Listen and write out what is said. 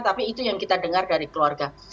tapi itu yang kita dengar dari keluarga